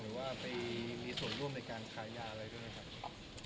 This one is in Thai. หรือว่าไปมีส่วนร่วมในการขายยาอะไรด้วยไหมครับ